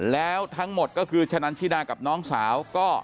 แล้วทั้งหมดก็คือชะนันชิดากับน้องสาวก็